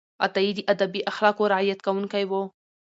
عطایي د ادبي اخلاقو رعایت کوونکی و.